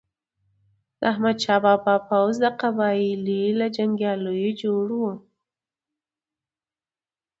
د احمد شاه بابا پوځ د قبایلو له جنګیالیو جوړ و.